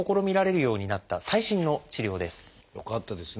よかったですね。